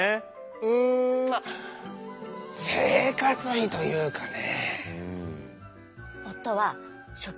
うんまあ生活費というかね。